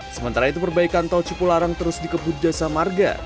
sementara itu perbaikan tol cipularang terus dikebut jasa marga